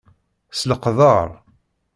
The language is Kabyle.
S leqdeṛ!